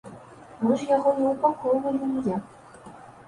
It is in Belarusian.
Мы ж яго не ўпакоўвалі ніяк.